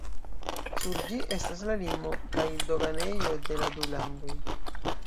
Sur ĝi estas la limo kaj doganejo de la du landoj.